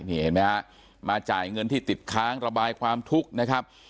นี่เห็นไหมฮะมาจ่ายเงินที่ติดค้างระบายความทุกข์นะครับ